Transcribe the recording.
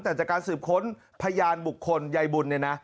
แต่จากการสืบค้นพยานบุคคลยายบุญเนี่ยนะ